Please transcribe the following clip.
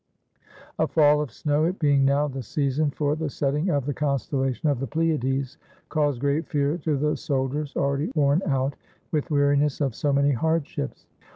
A fall of snow, it being now the season for the setting of the constellation of the Pleiades, caused great fear to the soldiers, already worn out with weariness of so many hardships.